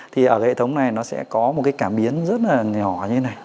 thì ở cái hệ thống này nó sẽ có một cái cảm biến rất là nhỏ như thế này